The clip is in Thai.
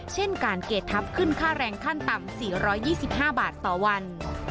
เช่นการเกรดทับขึ้นค่าแรงขั้นต่ำ๔๒๕บาทต่อวัน